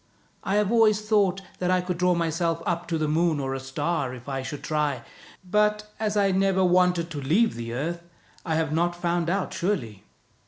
I have always thought that I could draw myself up to the moon or a star, if I should try; but as I never wanted to leave the earth, I have not found out surely."